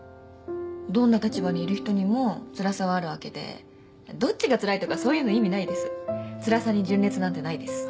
どんな立場にいる人にもつらさはあるわけでどっちがつらいとかそういうの意味ないですつらさに順列なんてないです